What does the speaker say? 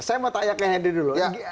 saya mau tanya ke henry dulu